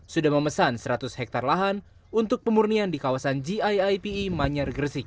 sudah memesan seratus hektare lahan untuk pemurnian di kawasan giipe manyar gresik